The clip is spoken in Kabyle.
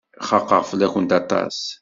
Xaqeɣ fell-akent aṭas.